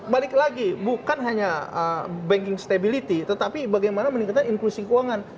balik lagi bukan hanya banking stability tetapi bagaimana meningkatkan inklusi keuangan